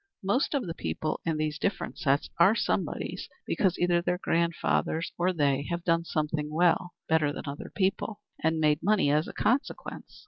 Most of the people in these different sets are somebodies because either their grandfathers or they have done something well better than other people, and made money as a consequence.